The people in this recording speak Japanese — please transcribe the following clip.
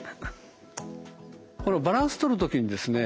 このバランスとる時にですね